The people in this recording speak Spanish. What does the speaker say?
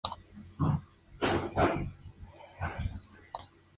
El animal contigo".